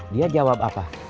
dia jawab apa